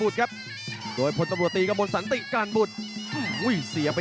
คู่นี้นี่มีสอกพกกันมาฟันกันตั้งแต่ยกแรกเลยครับเสียบใน